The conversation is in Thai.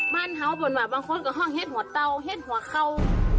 บ้านท้าวปนมาบางคนก็ห้องเห็ดหัวเตาเห็ดหัวเขา